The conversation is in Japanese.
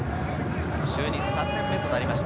就任３年目となりました